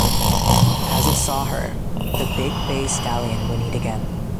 As it saw her, the big bay stallion whinneyed again.